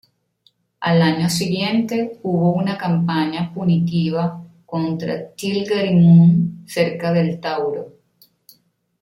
Al año siguiente hubo una campaña punitiva contra Til-Garimmu, cerca del Tauro.